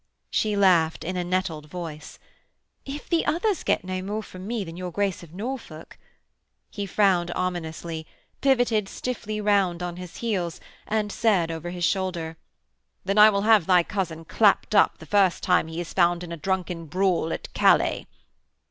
She laughed in a nettled voice: 'If the others get no more from me than your Grace of Norfolk....' He frowned ominously, pivoted stiffly round on his heels, and said over his shoulder: 'Then I will have thy cousin clapped up the first time he is found in a drunken brawl at Calais.'